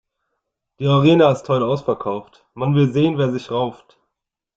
Die Arena ist heut' ausverkauft, man will sehen, wer sich rauft.